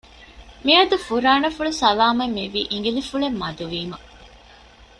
މިއަދު ފުރާނަފުޅު ސަލާމަތް މިވީ އިނގިލިފުޅެއް މަދު ވީމަ